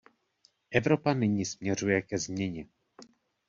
Evropa nyní směřuje ke změně.